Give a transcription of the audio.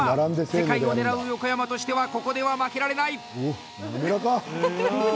世界を狙う横山としてはここでは負けられない。